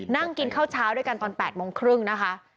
นั่งกินข้าวเช้าด้วยกันตอน๘โมงครึ่งนะคะ